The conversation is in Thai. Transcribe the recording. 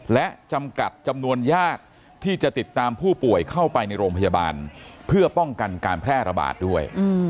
และจำกัดจำนวนญาติที่จะติดตามผู้ป่วยเข้าไปในโรงพยาบาลเพื่อป้องกันการแพร่ระบาดด้วย